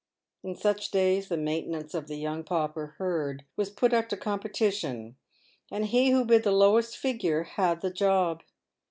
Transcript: In such days the maintenance of the young pauper herd was put up to competition, and he who bid the lowest figure had the job.